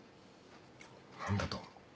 何だと。